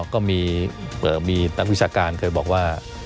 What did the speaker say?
ก็มีนักวิชาการเคยบอกว่า